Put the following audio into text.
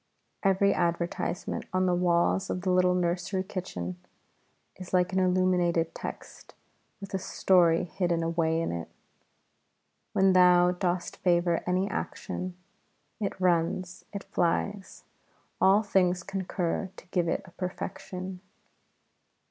Every advertisement on the walls of the little nursery kitchen is like an illuminated text with a story hidden away in it: When Thou dost favour any action, It runs, it flies; All things concur to give it a perfection.